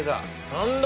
何だ？